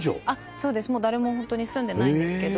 そうですもう誰もホントに住んでないんですけど。